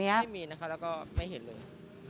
ไม่มีนะคะแล้วก็ไม่เห็นเลย